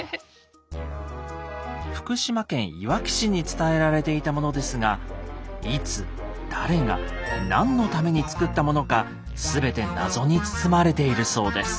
福島県いわき市に伝えられていたものですがいつ誰が何のために作ったものか全て謎に包まれているそうです。